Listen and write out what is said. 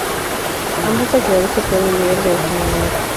Ambos teclados se pueden leer de esta manera.